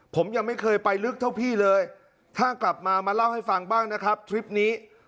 ผมยังไม่เคยไปลึกเท่าพี่เลยถ้ากลับมามาเล่าให้ฟังบ้างนะครับทริปนี้